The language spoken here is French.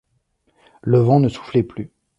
Le vent ne soufflait plus.